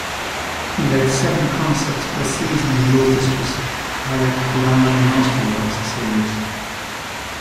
He led seven concerts per season in the orchestra's Halekulani Masterworks series.